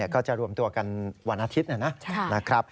ก็จะรวมตัวกันวันอาทิตย์นะครับ